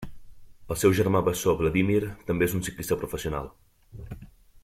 El seu germà bessó Vladímir també és ciclista professional.